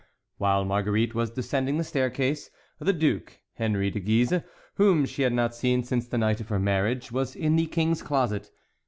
While Marguerite was descending the staircase, the duke, Henry de Guise, whom she had not seen since the night of her marriage, was in the King's closet.